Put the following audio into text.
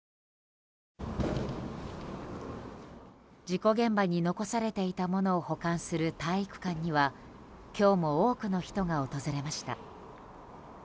事故現場に残されていたものを保管する体育館には今日も多くの人が訪れました。